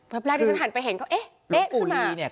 แบบราดิฉันหันไปเห็นเขาเอ๊ะเอ๊ะขึ้นมา